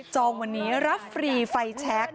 วันนี้รับฟรีไฟแชค